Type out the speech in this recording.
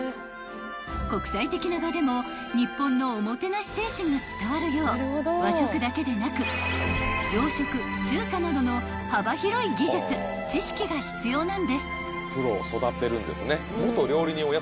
［国際的な場でも日本のおもてなし精神が伝わるよう和食だけでなく洋食中華などの幅広い技術知識が必要なんです］